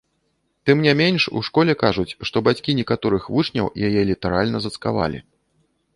Тым не менш, у школе кажуць, што бацькі некаторых вучняў яе літаральна зацкавалі.